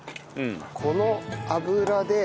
この油で。